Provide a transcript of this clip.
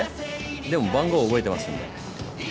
でも番号覚えてますんで。